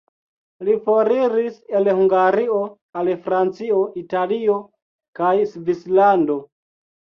Li foriris el Hungario al Francio, Italio kaj Svislando.